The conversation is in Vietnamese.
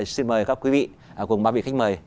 xin mời các quý vị cùng ba vị khách mời